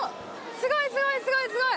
すごいすごいすごいすごい。